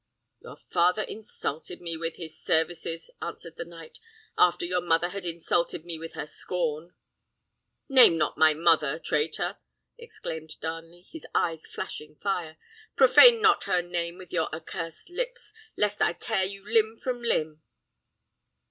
"Your father insulted me with his services," answered the knight, "after your mother had insulted me with her scorn." "Name not my mother, traitor!" exclaimed Darnley, his eyes flashing fire. "Profane not her name with your accursed lips, lest I tear you limb from limb!"